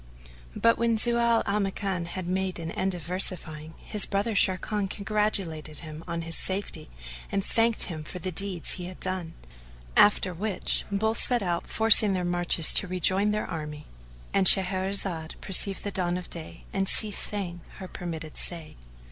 But, when Zau al Makan had made an end of versifying, his brother Sharrkan congratulated him on his safety and thanked him for the deeds he had done; after which both set out forcing their marches to rejoin their army.—And Shahrazad perceived the dawn of day and ceased saying her permitted say.